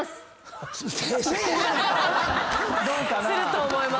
すると思います。